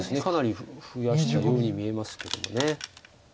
かなり増やしたように見えますけど。